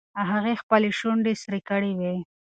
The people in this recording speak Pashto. هغې خپلې شونډې سرې کړې وې.